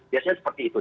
biasanya seperti itu